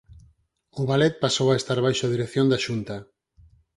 O Ballet pasou a estar baixo dirección da Xunta.